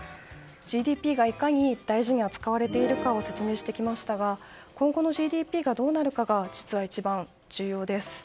ＧＤＰがいかに大事に扱われているかを説明してきましたが今後のＧＤＰがどうなるかが実は一番重要です。